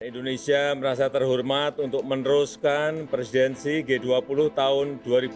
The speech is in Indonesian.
indonesia merasa terhormat untuk meneruskan presidensi g dua puluh tahun dua ribu dua puluh